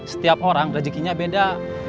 setiap orang rezekinya beda